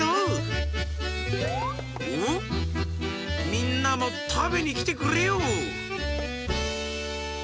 みんなもたべにきてくれよう！